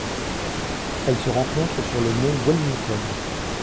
Elle se rencontre sur le mont Wellington.